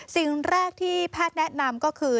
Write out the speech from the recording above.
สิ่งแรกที่แพทย์แนะนำก็คือ